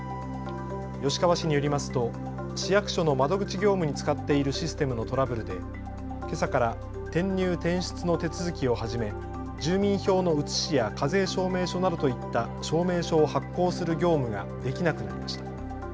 吉川市によりますと市役所の窓口業務に使っているシステムのトラブルでけさから転入転出の手続きをはじめ、住民票の写しや課税証明書などといった証明書を発行する業務ができなくなりました。